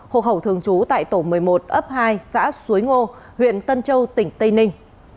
hộ khẩu thường trú tại tổ một mươi một ấp hai xã suối ngô huyện tân châu tỉnh tây ninh